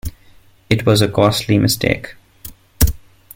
It was a costly mistake.